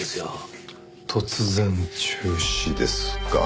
突然中止ですか。